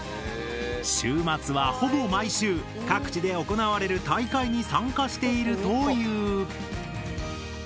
週末はほぼ毎週各地で行われる大会に参加しているという。